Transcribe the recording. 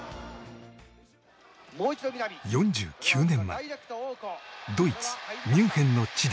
４９年前ドイツ・ミュンヘンの地で。